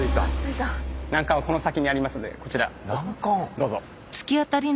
どうぞ。